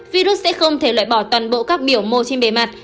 virus sẽ không thể loại bỏ toàn bộ các biểu mô trên bề mặt